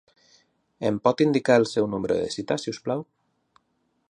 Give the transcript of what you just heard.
Em pot indicar el seu número de cita, si us plau?